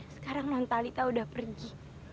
sekarang non talita udah pergi